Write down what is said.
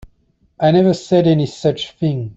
I never said any such thing.